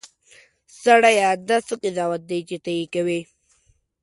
سړیه! دا څه قضاوت دی چې ته یې کوې.